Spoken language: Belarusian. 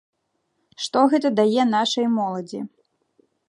Што гэта дае нашай моладзі?